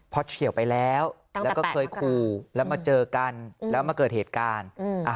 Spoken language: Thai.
พอเฉียวไปแล้วแล้วก็เคยขู่แล้วมาเจอกันแล้วมาเกิดเหตุการณ์